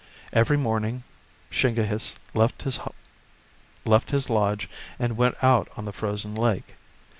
Every morning Shingehiss left his lodge and went out on the frozen lake.